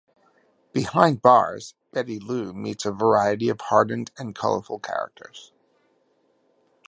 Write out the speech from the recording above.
Behind bars, Betty Lou meets a variety of hardened and colorful characters.